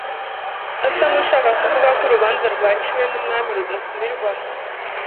asa n'ushaka kuvuga ko urubanza rwaciwe n'umwami rudasubirwamo